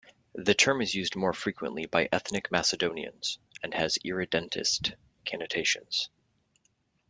The term is used more frequently by Ethnic Macedonians and has irredentist connotations.